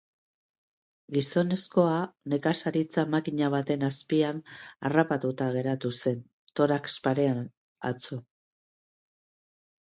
Gizonezkoa nekazaritza-makina baten azpian harrapatuta geratu zen, torax parean, atzo.